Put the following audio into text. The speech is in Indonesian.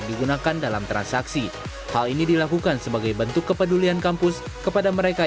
digunakan dalam transaksi hal ini dilakukan sebagai bentuk kepedulian kampus kepada mereka